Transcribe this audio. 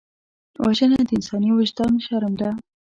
وژنه د انساني وجدان شرم ده